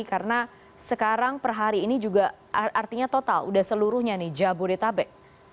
karena sekarang per hari ini juga artinya total sudah seluruhnya nih jabodetabek